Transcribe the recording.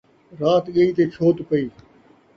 رات ڳئی تے چھوت پئی